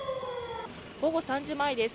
午後３時前です。